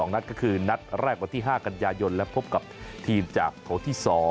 นัดก็คือนัดแรกวันที่๕กันยายนและพบกับทีมจากโถที่๒